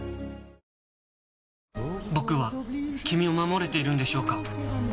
僕は君を守れているんでしょうか？